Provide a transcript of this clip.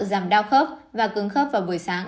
giảm đau khớp và cứng khớp vào buổi sáng